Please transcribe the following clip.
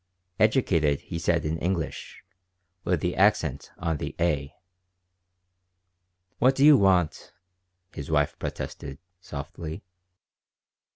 ("Educated" he said in English, with the accent on the "a.") "What do you want?" his wife protested, softly.